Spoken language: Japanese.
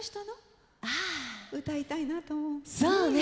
そうね。